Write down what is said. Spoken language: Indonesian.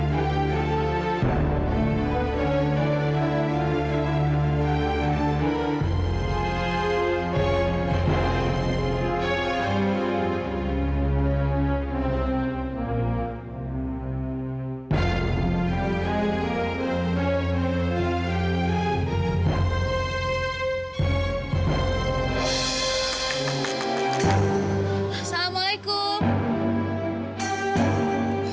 permisi ya assalamualaikum